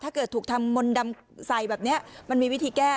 ถ้าเกิดถูกทำมนต์ดำใส่แบบนี้มันมีวิธีแก้